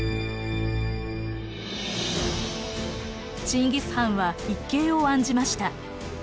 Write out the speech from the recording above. チンギス・ハンは一計を案じました。